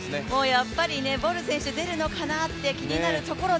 やっぱりボル選手出るのかなって気になるところで。